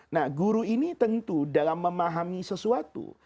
nah guru ini tentu dalam memahami sesuatu